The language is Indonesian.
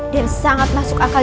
dan sangat masuk akal